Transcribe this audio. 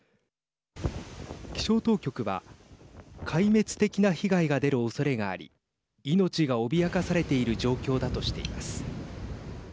気象当局は壊滅的な被害が出るおそれがあり命が脅かされている状況だとしています。